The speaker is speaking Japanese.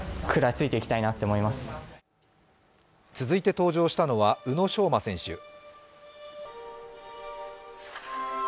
続いて登場したのは宇野昌磨選手。